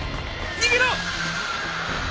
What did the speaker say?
逃げろ！